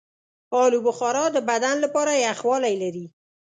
آلوبخارا د بدن لپاره یخوالی لري.